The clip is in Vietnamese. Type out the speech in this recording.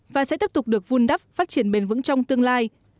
và sẽ tiếp tục được vun đắp phát triển bền vững trong tương lai